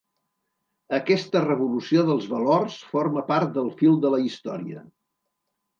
Aquesta revolució dels valors forma part del fil de la història.